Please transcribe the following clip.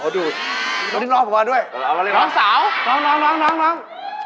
เดี๋ยวนิ่งน้องมาบ้างด้วยน้องสาวน้อง